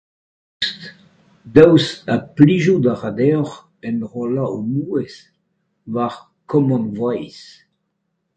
Daoust ha plijout a ra deocʼh enrollañ ho mouezh war CommonVoice ?